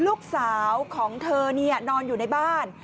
ลูกสาวของเธอนอนอยู่ในบ้าน